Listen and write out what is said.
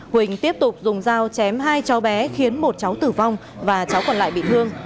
huỳnh tiếp tục dùng dao chém hai cháu bé khiến một cháu tử vong và cháu còn lại bị thương